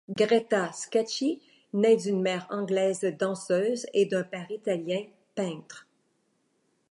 Greta Scacchi naît d'une mère anglaise danseuse et d'un père italien, peintre.